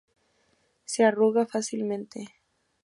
Se arruga fácilmente.